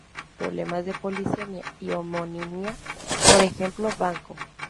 Problemas de polisemia y homonimia, por ejemplo: banco.